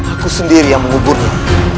aku sendiri yang menguburnya